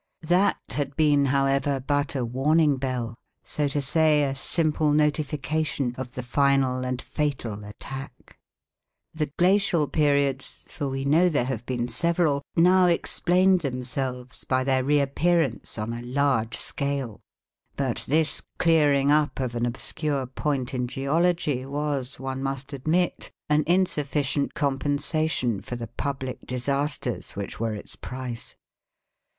That had been, however, but a warning bell, so to say, a simple notification of the final and fatal attack. The glacial periods for we know there have been several now explained themselves by their reappearance on a large scale. But this clearing up of an obscure point in geology was, one must admit, an insufficient compensation for the public disasters which were its price.